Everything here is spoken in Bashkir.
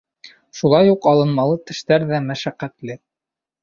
Шулай уҡ алынмалы тештәр ҙә мәшәҡәтле.